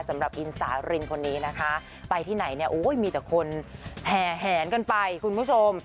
สำหรับอินสารินคนนี้นะคะไปที่ไหนเนี่ยโอ้ยมีแต่คนแห่แหนกันไปคุณผู้ชม